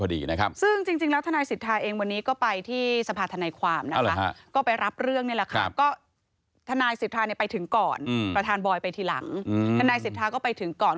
ทุกเกียรติศีรษิรภาพก็ไปถึงก่อน